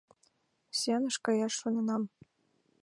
Сӱаныш каяш шоненам.